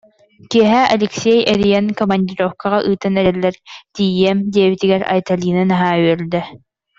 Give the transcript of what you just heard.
Киэһэ Алексей эрийэн, командировкаҕа ыытан эрэллэр, тиийиэм диэбитигэр Айталина наһаа үөрдэ